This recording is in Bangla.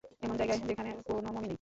এমন জায়গায় যেখানে কোনও মমি নেই!